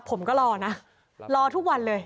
ผมก็รอนะรอทุกวันเลย